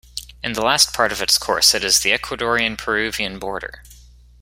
In the last part of its course it is the Ecuadorian-Peruvian border.